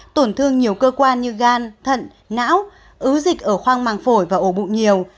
tổn thương nhiều cơ quan như gan thận não ứ dịch ở khoang màng phổi và ổ bụng nhiều